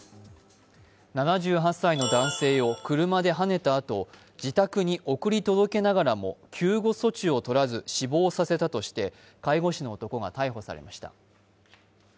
７８歳の男性を車ではねたあと自宅に送り届けながらも救護措置をとらず死亡させたとして介護士の男が逮捕されました。